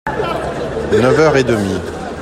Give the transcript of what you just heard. Neuf heures et demie !…